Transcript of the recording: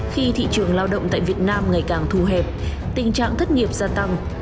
khi thị trường lao động tại việt nam ngày càng thu hẹp tình trạng thất nghiệp gia tăng